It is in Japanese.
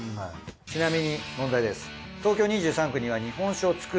ちなみに問題です。